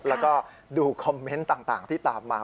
แล้วก็ดูคอมเมนต์ต่างที่ตามมา